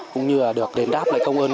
cũng như là được đền đáp lại công ơn